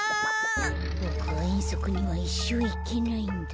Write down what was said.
ボクはえんそくにはいっしょういけないんだ。